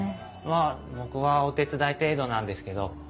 まあ僕はお手伝い程度なんですけど。